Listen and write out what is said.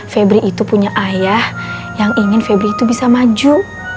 febri itu punya ayah yang ingin febri itu bisa maju